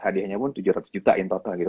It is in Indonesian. hadiahnya pun tujuh ratus juta in total gitu